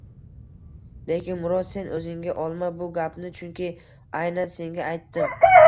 lekin Murod, sen o‘zinga olma bu gapni, chunki aynan senga aytdim!